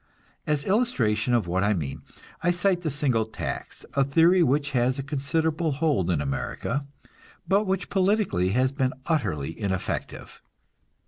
As illustration of what I mean, I cite the single tax, a theory which has a considerable hold in America, but which politically has been utterly ineffective.